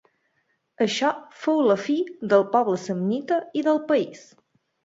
Això fou la fi del poble samnita i del país.